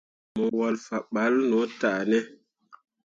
Mo walle fah balla no tah ne ?